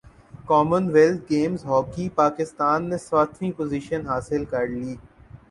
common wealth games hockey Pakistan نے ساتویں position حاصل کر لی